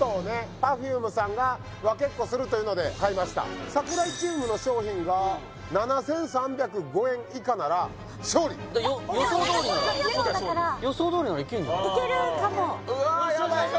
Ｐｅｒｆｕｍｅさんが分けっこするというので買いました櫻井チームの商品が７３０５円以下なら勝利だから予想どおりなら７０００円予想だからいけるかもうわやばい！